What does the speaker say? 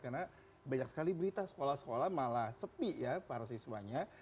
karena banyak sekali berita sekolah sekolah malah sepi ya para siswanya